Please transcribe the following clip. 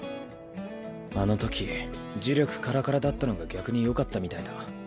あのとき呪力カラカラだったのが逆によかったみたいだ。